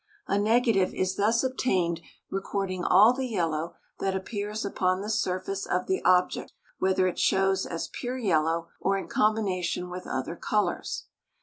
A negative is thus obtained recording all the yellow that appears upon the surface of the object, whether it shows as pure yellow or in combination with other colors.